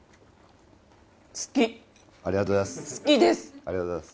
ありがとうございます！